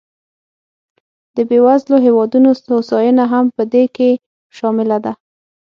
د بېوزلو هېوادونو هوساینه هم په دې کې شامله ده.